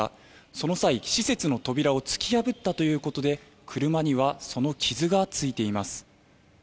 その際、施設の扉を突き破ったということで車にはその傷がついています。